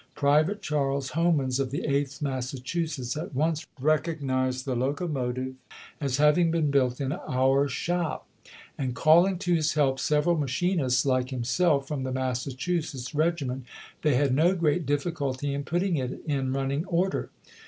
Private Charles Homans, of the Eighth Massachusetts, at once recognized the locomotive as having been built in " our shop "; WASHINGTON IN DANGER 155 and calling to his help several machinists like chap, vil himself from the Massachusetts regiment, they had no great difficulty in putting it in running order.